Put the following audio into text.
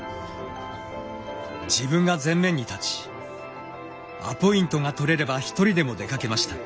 自分が前面に立ちアポイントが取れれば一人でも出かけました。